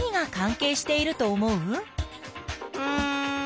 うん。